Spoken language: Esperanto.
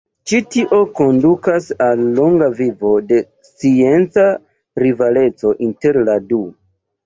Ĉi tio kondukas al longa vivo de scienca rivaleco inter la du.